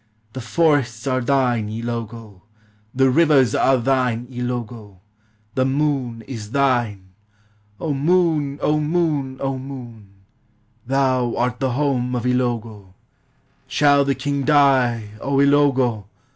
The forests are thine, Ilogo! The rivers are thine, Ilogo ! The moon is thine! 429 WESTERN AND CENTRAL AFRICA O moon! O moon! 0 moon! Thou art the home of Ilogo! Shall the king die? O Ilogo!